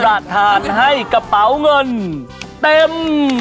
ประธานให้กระเป๋าเงินเต็ม